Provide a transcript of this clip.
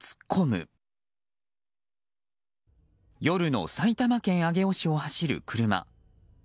夜の埼玉県上尾市を走る車。